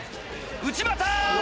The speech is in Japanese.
内股！